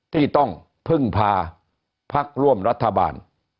ที่ต้องพึ่งพาพักร่วมรัฐบาล